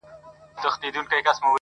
لا یې لمر پر اسمان نه دی راختلی -